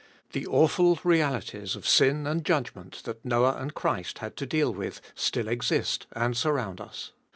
The awful realities of sin and judgment that Noah and Christ had to deal with still exist and surround us.